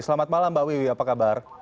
selamat malam mbak wiwi apa kabar